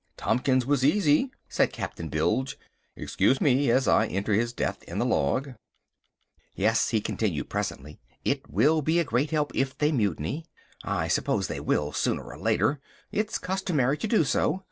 "Tompkins was easy," said Captain Bilge. "Excuse me as I enter his death in the log." "Yes," he continued presently, "it will be a great help if they mutiny. I suppose they will, sooner or later. It's customary to do so.